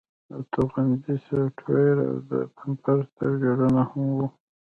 د توغندي سافټویر او د بمپر سټیکرونه هم وو